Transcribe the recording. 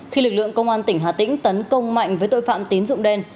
khi lực lượng công an tỉnh hà tĩnh tấn công mạnh với tội phạm tín dụng đen